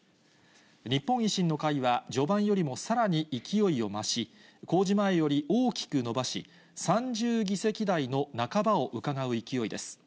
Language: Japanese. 日本維新の会は、序盤よりもさらに勢いを増し、公示前より大きく伸ばし、３０議席台の半ばをうかがう勢いです。